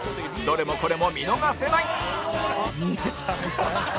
どれもこれも見逃せない